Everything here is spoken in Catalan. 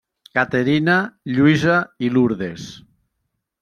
Caterina, Lluïsa i Lourdes.